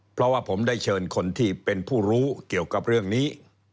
เพราะว่าผมได้เชิญคนที่เป็นผู้รู้เกี่ยวกับเรื่องนี้